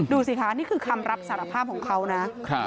ดูสิคะนี่คือคำรับสารภาพของเขานะ